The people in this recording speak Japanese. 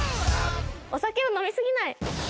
お酒を飲み過ぎない。